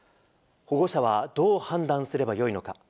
保護者はどう判断すればよいのか。